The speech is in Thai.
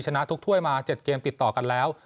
ชนะทุกถ้วยมา๗เกมติดต่อกันแล้ว